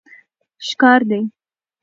ښکار دي